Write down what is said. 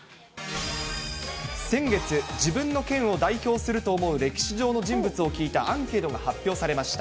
先月、自分の県を代表すると思う歴史上の人物を聞いたアンケートが発表されました。